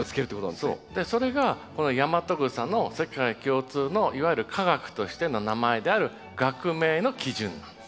それがこのヤマトグサの世界共通のいわゆる科学としての名前である学名の基準なんですね。